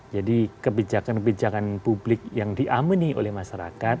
jadi kebijakan kebijakan publik yang diameni oleh masyarakat